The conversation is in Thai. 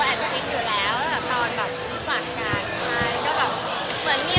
เขาก็มาอยู่ด้วยนี้